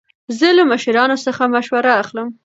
زه له مشرانو څخه مشوره اخلم.